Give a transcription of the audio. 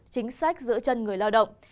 chính sách giữa chân người lao động